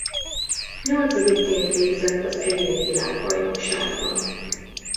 Nyolcadikként végzett az egyéni világbajnokságban.